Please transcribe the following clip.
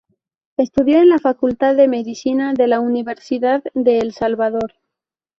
Estudió en la Facultad de Medicina de la Universidad de El Salvador.